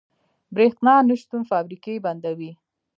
برښنا نشتون فابریکې بندوي.